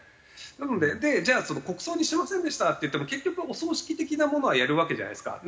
なのでじゃあ国葬にしませんでしたっていっても結局お葬式的なものはやるわけじゃないですか。